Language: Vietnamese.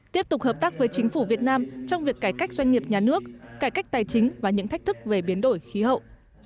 tiếp tục hợp tác với chính phủ việt nam trong việc cải cách doanh nghiệp nhà nước cải cách tài chính và những thách thức về biến đổi khí hậu